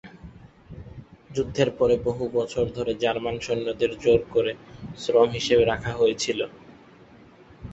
যুদ্ধের পরে বহু বছর ধরে জার্মান সৈন্যদের জোর করে শ্রম হিসাবে রাখা হয়েছিল।